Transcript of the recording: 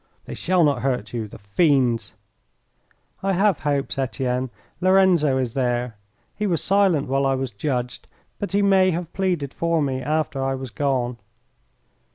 "They shall not hurt you the fiends!" "I have hopes, Etienne. Lorenzo is there. He was silent while I was judged, but he may have pleaded for me after I was gone."